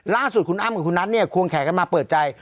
ล่าสุดคุณอ้ำกับคุณนัทเนี่ยควงแขนกันมาเปิดใจ